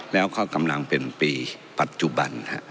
แล้วก็กำลังเป็นปีปัจจุบัน